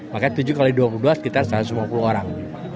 makanya tujuh x dua puluh belas sekitar satu ratus lima puluh orang